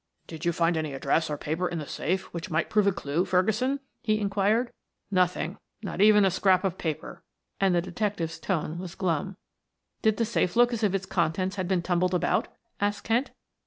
"Did you find any address or paper in the safe which might prove a clew, Ferguson?" he inquired. "Nothing, not even a scrap of paper," and the detective's tone was glum. "Did the safe look as if its contents had been tumbled about?" asked Kent.